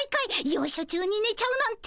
よいしょ中に寝ちゃうなんて。